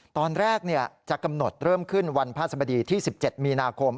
ตอนแรกจะกำหนดเริ่มขึ้นวันพระสบดีที่๑๗มีนาคม